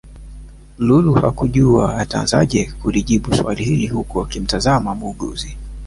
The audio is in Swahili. Lulu hakujua atanzaaje kulijibu swali hili huku akimtazama Muuguzi